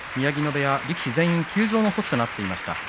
部屋力士全員休場措置となっていました。